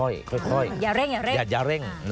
อย่าเร่งอย่าเร่ง